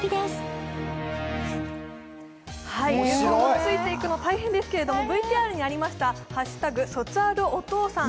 ついていくのが大変ですけれどＶＴＲにありました「＃卒アルお父さん」。